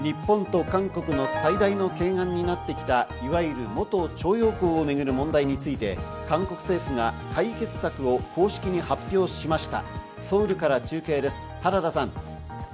日本と韓国の最大の懸案になってきた、いわゆる元徴用工を巡る問題について、韓国政府が解決策を公式に発表しました。